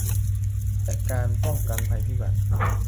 และการป้องกันภัยพิบัติ